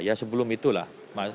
ya sebelum itulah